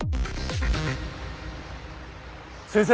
先生！